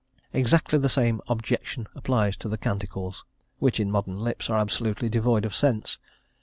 Exactly the same objection applies to the "Canticles," which, in modern lips, are absolutely devoid of sense.